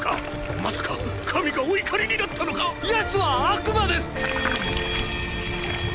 まさか神がお怒りになったのか⁉奴は悪魔です！！